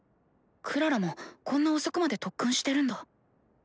クララもこんな遅くまで特訓してるんだ。